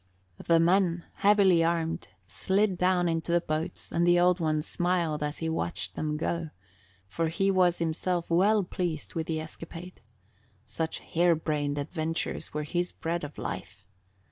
The men heavily armed slid down into the boats and the Old One smiled as he watched them go, for he was himself well pleased with the escapade. Such harebrained adventures were his bread of life.